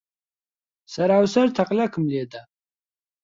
سەرا و سەر تەقلەکم لێ دا.